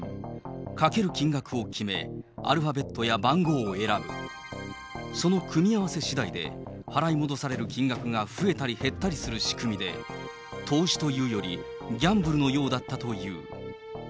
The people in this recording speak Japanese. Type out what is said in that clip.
賭ける金額を決め、アルファベットや番号を選ぶ、その組み合わせしだいで払い戻される金額が増えたり減ったりする仕組みで、投資というより、ギャンブルのようだったという。